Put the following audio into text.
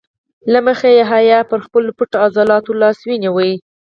له مخې حیا یې پر خپلو پټو عضلاتو لاس ونیو.